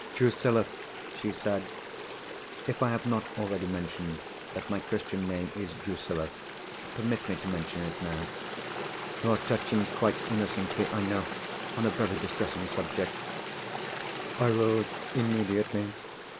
"Drusilla," she said (if I have not already mentioned that my Christian name is Drusilla, permit me to mention it now), "you are touching quite innocently, I know—on a very distressing subject." I rose immediately.